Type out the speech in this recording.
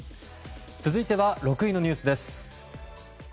続いては６位のニュースです。